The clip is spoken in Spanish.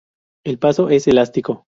El paso es elástico.